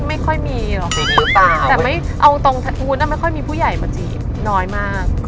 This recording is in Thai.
ไม่ค่อยมีแต่วุ้นก็ไม่ค่อยมีผู้ใหญ่มาจีบน้อยมาก